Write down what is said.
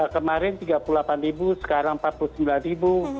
kemarin tiga puluh delapan ribu sekarang empat puluh sembilan ribu